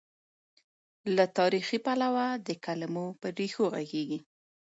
له تاریخي، پلوه د کلمو پر ریښو غږېږي.